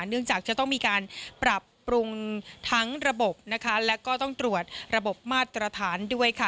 จะต้องมีการปรับปรุงทั้งระบบนะคะแล้วก็ต้องตรวจระบบมาตรฐานด้วยค่ะ